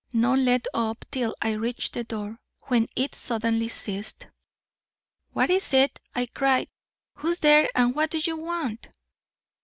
No let up till I reached the door, when it suddenly ceased. "'What is it?' I cried. 'Who's there and what do you want?'